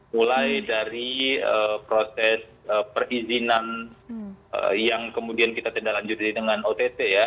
mulai dari proses perizinan yang kemudian kita tindak lanjuti dengan ott ya